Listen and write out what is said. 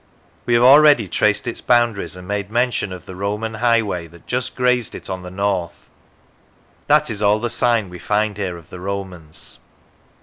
We have already traced its boundaries and made mention of the Roman highway that just grazed it on the north. That is all the sign we find here of the Romans.